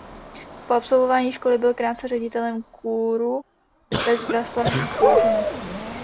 Po absolvování školy byl krátce ředitelem kůru ve Zbraslavi a v Kouřimi.